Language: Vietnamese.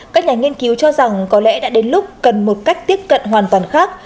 các nhà nghiên cứu cho rằng có lẽ đã đến lúc cần một cách tiếp cận hoàn toàn khác